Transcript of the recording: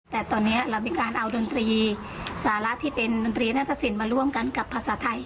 แต่ตอนนี้เรามีการเอาดนตรีสาระที่เป็นดนตรีนาตสินมาร่วมกันกับภาษาไทย